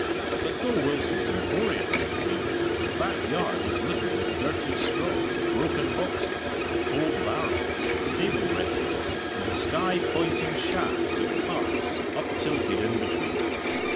But though Wilson's Emporium was clean, his back yard was littered with dirty straw, broken boxes, old barrels, stable refuse, and the sky pointing shafts of carts, uptilted in between.